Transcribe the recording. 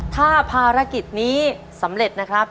ถ้าภารกิจนี้สำเร็จนะครับ